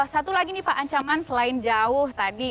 satu lagi nih pak ancaman selain jauh tadi